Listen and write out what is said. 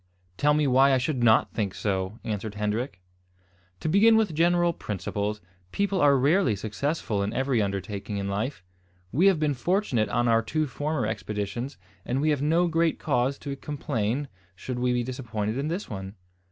"Tell me why I should not think so," answered Hendrik. "To begin with general principles, people are rarely successful in every undertaking in life. We have been fortunate on our two former expeditions, and we have no great cause to complain should we be disappointed in this one.